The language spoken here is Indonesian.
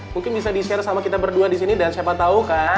mungkin bisa di share sama kita berdua disini dan siapa tau kan